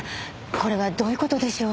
これはどういう事でしょう？